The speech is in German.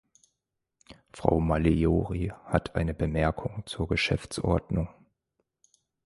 Frau Malliori hat eine Bemerkung zur Geschäftsordnung.